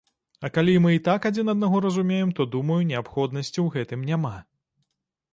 А калі мы і так адзін аднаго разумеем, то, думаю, неабходнасці ў гэтым няма.